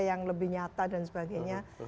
yang lebih nyata dan sebagainya